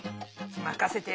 まかせて。